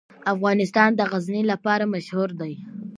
افغانستان د غزني لپاره مشهور دی.